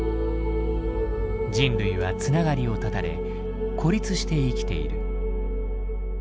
人類は繋がりを断たれ孤立して生きている。